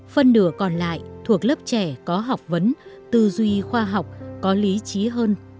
phân nửa còn lại thuộc lớp trẻ có học vấn tư duy khoa học có lý trí hơn